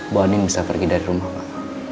bu anim bisa pergi dari rumah pak